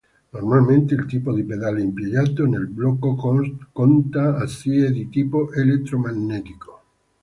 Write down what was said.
Normalmente, il tipo di pedale impiegato nel blocco conta assi è di tipo elettromagnetico.